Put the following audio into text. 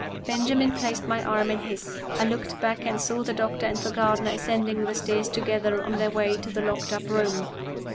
Benjamin placed my arm in his. I looked back, and saw the doctor and the gardener ascending the stairs together on their way to the locked up room.